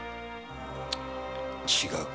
違う。